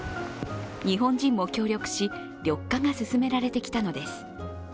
日本人も協力し、緑化が進められてきたのです。